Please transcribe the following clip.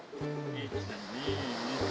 １２１２